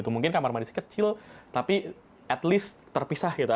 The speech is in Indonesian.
mungkin kamar mandisi kecil tapi at least terpisah gitu